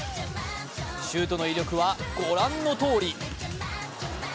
シュートの威力はご覧のとおり。